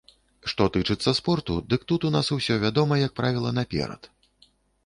Што тычыцца спорту, дык тут у нас усё вядома, як правіла, наперад.